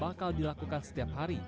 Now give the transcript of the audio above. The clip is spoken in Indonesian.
bakal dilakukan setiap hari